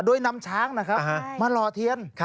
โดยนำช้างนะครับมาหล่อเทียน